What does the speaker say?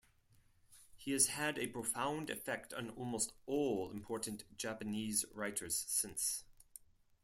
He has had a profound effect on almost all important Japanese writers since.